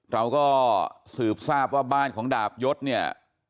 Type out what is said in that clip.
เราก็สืบทราบว่าบ้านของดาบยศเนี่ย